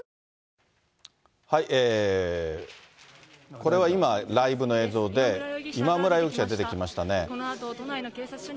これは今、ライブの映像で、今村容疑者出てきましたね。